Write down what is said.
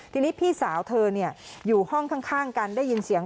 ทีนี้พี่สาวเธออยู่ห้องข้างกันได้ยินเสียง